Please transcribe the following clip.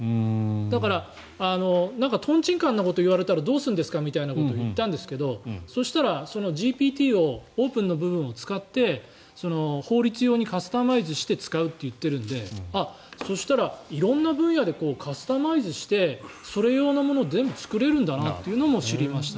だからとんちんかんなことを言われたらどうするんですか？と言ったんですけどそしたらそのＧＰＴをオープンの部分を使って法律用にカスタマイズして使うって言っているのでそしたら色んな分野でカスタマイズしてそれ用のものを全部作れるんだなというのも知りました。